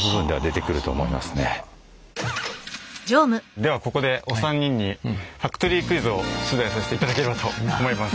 ではここでお三人にファクトリークイズを出題させていただければと思います。